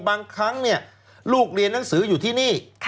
บางครั้งลูกเรียนหนังสืออยู่ที่นี่